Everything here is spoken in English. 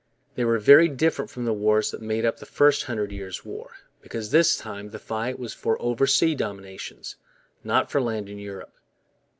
They were very different from the wars that made up the first Hundred Years' War, because this time the fight was for oversea dominions, not for land in Europe.